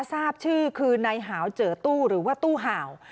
ทราบชื่อคือนายหาวเจอตู้หรือว่าตู้ห่าว